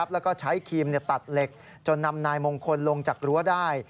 แล้วก็ใช้ครีมตัดเหล็กจนนำนายมงคลลงจากรั้วได้